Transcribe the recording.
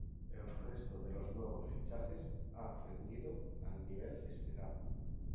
El resto de los nuevos fichajes han rendido al nivel esperado.